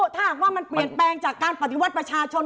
ถ้าหากว่ามันเปลี่ยนแปลงจากการปฏิวัติประชาชน